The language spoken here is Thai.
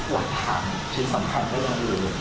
ความถามคือสำคัญเรื่องอื่น